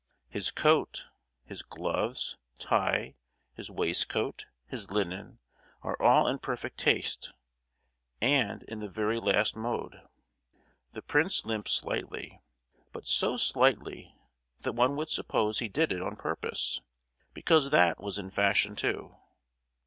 His coat, his gloves, tie, his waistcoat, his linen, are all in perfect taste, and in the very last mode. The prince limps slightly, but so slightly that one would suppose he did it on purpose because that was in fashion too.